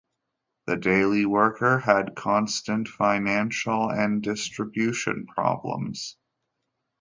The "Daily Worker" had constant financial and distribution problems.